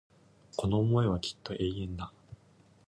この思いはきっと永遠だ